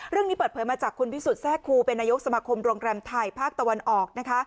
เรื่องนี้เปิดเผยมาจากคุณพิสุทธิแทรกครูเป็นนายกสมาคมโรงแรมไทยภาคตะวันออกนะคะ